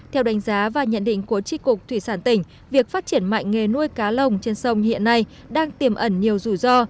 theo đánh giá và nhận định của tri cục thủy sản tỉnh việc phát triển mạnh nghề nuôi cá lồng trên sông hiện nay đang tiềm ẩn nhiều rủi ro